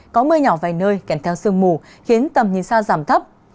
có mưa nhỏ vài nơi kèm theo sương mù khiến tầm nhìn xa giảm thấp